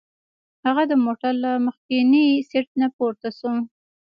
هغه د موټر له مخکیني سیټ نه پورته شو.